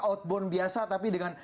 outbound biasa tapi dengan